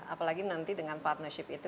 apalagi nanti dengan partnership itu